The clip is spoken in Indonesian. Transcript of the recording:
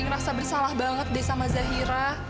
ngerasa bersalah banget deh sama zahira